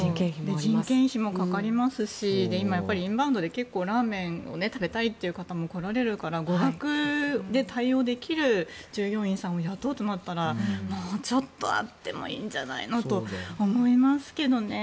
人件費もかかりますし今やはりインバウンドでラーメンを食べたいという方も来られるから語学で対応できる従業員さんを雇うとなったらもうちょっとあってもいいんじゃないのと思いますけどね。